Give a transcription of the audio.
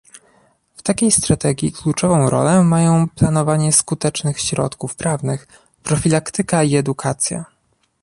W takiej strategii kluczową rolę mają planowanie skutecznych środków prawnych, profilaktyka i edukacja